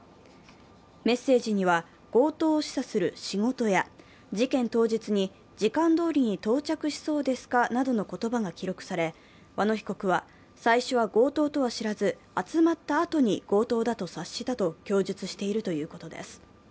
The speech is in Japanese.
メッセージには、強盗を示唆する仕事や事件当日に時間どおりに到着しそうですかなどの言葉が記録され、和野被告は、最初は強盗とは知らず集まったあとに強盗だと察したと供述しているということです。